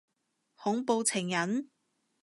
恐怖情人？